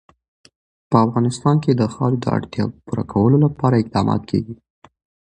په افغانستان کې د خاوره د اړتیاوو پوره کولو لپاره اقدامات کېږي.